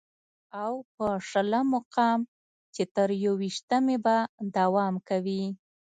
او په شلم مقام چې تر يوویشتمې به دوام کوي